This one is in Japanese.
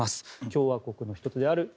共和国の１つであります